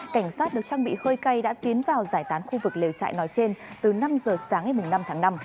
cảnh sát được trang bị hơi cây đã tiến vào giải tán khu vực liều chạy nói trên từ năm giờ sáng ngày năm tháng năm